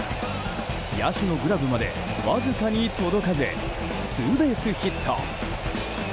野手のグラブまでわずかに届かずツーベースヒット。